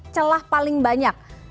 celah paling banyak